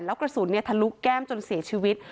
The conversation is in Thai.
แล้วกระสุนทะลุแก้มจนเสียชีวิต